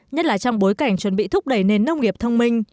nhất là trong bối cảnh chuẩn bị thúc đẩy nền nông nghiệp thông minh